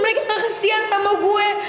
mereka gak kesian sama gue